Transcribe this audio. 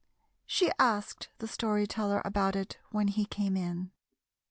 She asked the Story Teller about it when he came in.